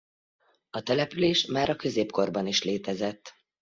A település már a középkorban is létezett.